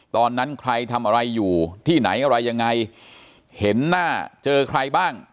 ตอนนั้นใครทำอะไรอยู่ที่ไหนอะไรยังไงเห็นหน้าเจอใครบ้าง